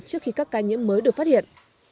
trước khi các ca nhiễm mới được phát hiện